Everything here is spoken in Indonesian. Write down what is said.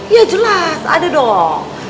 ya jelas ada dong